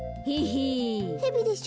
ヘビでしょ？